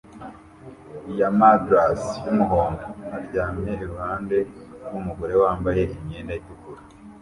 ya madras yumuhondo aryamye iruhande rwumugore wambaye imyenda itukura